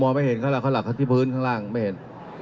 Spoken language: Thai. โมโมไม่เห็นเขาแล้วเขาหลักที่พื้นข้างล่างไม่เห็น